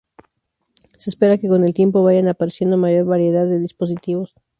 Se espera que con el tiempo vayan apareciendo mayor variedad de dispositivos.